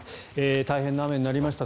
大変な雨になりました。